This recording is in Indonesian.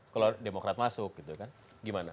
kalau demokrat masuk gitu kan gimana